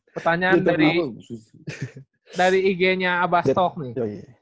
pertanyaan dari ig nya abastok nih